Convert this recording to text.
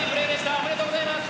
おめでとうございます。